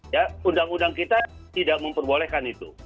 ya undang undang kita tidak memperbolehkan itu